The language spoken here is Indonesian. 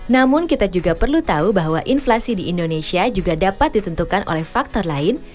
namun kita juga perlu tahu bahwa inflasi di indonesia juga dapat ditentukan oleh faktor lain